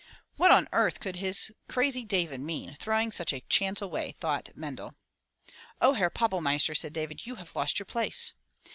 What on earth could his crazy David mean throwing such a chance away? thought Mendel. "Oh, Herr Pappelmeister," said David, "you have lost your place!"